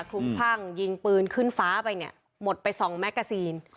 ทุกท่างยิงปืนขึ้นฟ้าไปหมดไปสองแมลงเกอร์ซีน